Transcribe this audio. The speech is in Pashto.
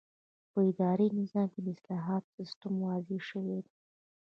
په اداري نظام کې د اصلاحاتو سیسټم واضح شوی دی.